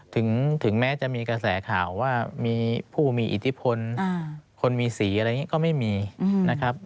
ถึงแม้จะมีกระแสข่าวว่ามีผู้มีอิทธิพลคนมีสีอะไรอย่างนี้ก็ไม่มีนะครับ